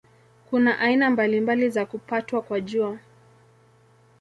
Kuna aina mbalimbali za kupatwa kwa Jua.